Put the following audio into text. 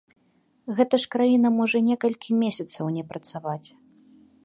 Гэта ж краіна можа некалькі месяцаў не працаваць!